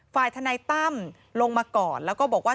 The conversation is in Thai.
ฝ่ายทนายต้ำลงมาก่อนแล้วก็บอกว่า